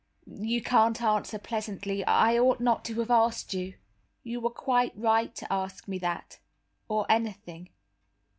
"You can't answer pleasantly; I ought not to have asked you." "You were quite right to ask me that, or anything.